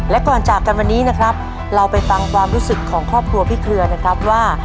และก่อนจากกันวันนี้นะครับเราไปฟังความรู้สึกของครอบครัวพี่เครือนะครับว่า